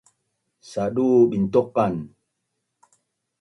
sadu bintuqan